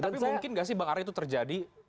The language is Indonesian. tapi mungkin gak sih bang arya itu terjadi